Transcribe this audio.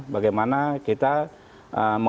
bagaimana kita membuat kondisi yang jelas